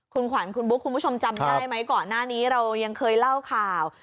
คุณขวัญคุณบุ๊คคุณผู้ชมจำได้ไหมก่อนหน้านี้เรายังเคยเล่าข่าว